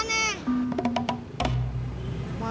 abang duduknya dimana